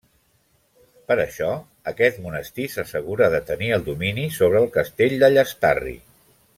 Per això aquest monestir s'assegurà de tenir el domini sobre el castell de Llastarri.